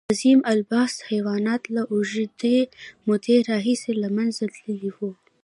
عظیم الجثه حیوانات له اوږدې مودې راهیسې له منځه تللي وو.